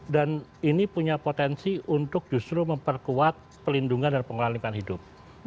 dan ini punya potensi untuk justru memperkuat pelindungan dan pengolahan lingkungan hidup